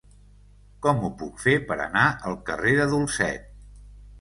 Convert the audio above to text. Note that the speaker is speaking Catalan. Com ho puc fer per anar al carrer de Dulcet?